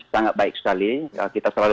sangat baik sekali kita selalu